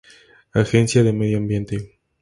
Agencia de Medio Ambiente.